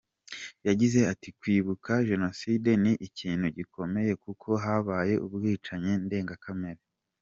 Yagize ati “ Kwibuka jenoside ni ikintu gikomeye kuko habaye ubwicanyi ndengakamere.